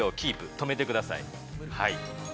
止めてください。